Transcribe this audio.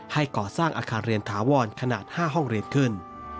ก่อสร้างอาคารเรียนถาวรขนาด๕ห้องเรียนขึ้น